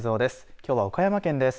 きょうは岡山県です。